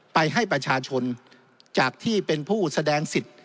ให้ประชาชนจากที่เป็นผู้แสดงสิทธิ์